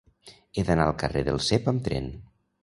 He d'anar al carrer del Cep amb tren.